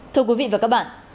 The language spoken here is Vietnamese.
thưa quý vị và các bạn